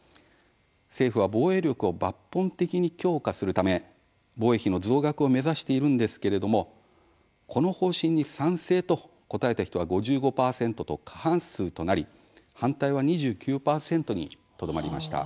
政府は防衛力を抜本的に強化するため、防衛費の増額を目指しているんですけれどもこの方針に「賛成」と答えた人は５５％と過半数となり「反対」は２９％にとどまりました。